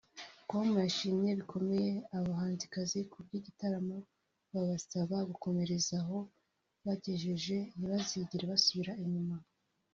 com bashimye bikomeye aba bahanzikazi ku bw’iki gitaramo babasaba gukomereza aho bagejeje ntibazigere basubira inyuma